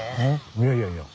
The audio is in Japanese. いやいやいや。